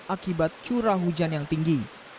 akibat curah hujan yang tinggi